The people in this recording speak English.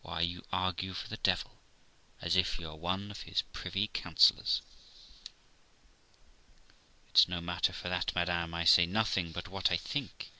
Why, you argue for the devil, as if you were one of his privy councillors.' 'It's no matter for that, madam, I say nothing but what I think.